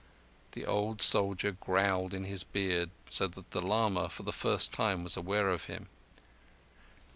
The old soldier growled in his beard, so that the lama for the first time was aware of him.